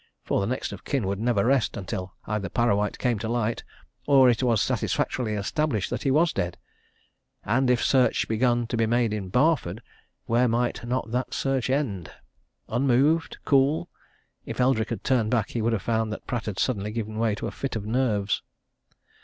For the next of kin would never rest until either Parrawhite came to light, or it was satisfactorily established that he was dead and if search begun to be made in Barford, where might not that search end? Unmoved? cool? if Eldrick had turned back, he would have found that Pratt had suddenly given way to a fit of nerves.